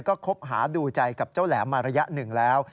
ก็คบหาดูใจกับเจ้าแหลมมาระยะหนึ่งแล้ว